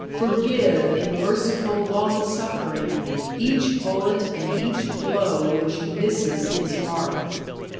Forgive in merciful long suffering each bullet and each blow which misses its mark.